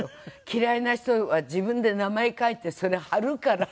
「嫌いな人は自分で名前書いてそれ貼るから」